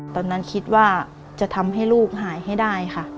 ตอนนั้นคิดว่าจะทำให้ลูกหายให้ได้ค่ะ